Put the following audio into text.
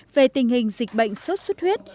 về tình hình dịch bệnh sốt xuất huyết